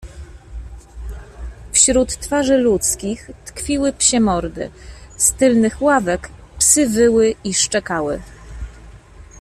"Wśród twarzy ludzkich tkwiły psie mordy, z tylnych ławek psy wyły i szczekały."